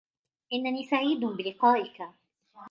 إنني سعيد بلقائك.